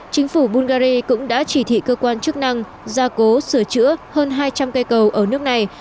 chính phủ bungary cũng đã chỉ thị cơ quan chức năng gia cố sửa chữa hơn hai trăm linh cây cầu ở nước này